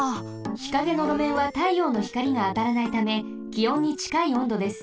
日陰のろめんはたいようのひかりがあたらないためきおんにちかいおんどです。